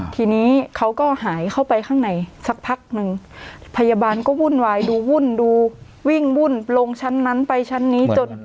ทีนี้เขาก็หายเข้าไปข้างในสักพักนึงพยาบาลก็วุ่นวายดูวุ่นดูวิ่งวุ่นลงชั้นนั้นไปชั้นนี้จน